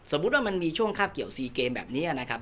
ว่ามันมีช่วงคาบเกี่ยว๔เกมแบบนี้นะครับ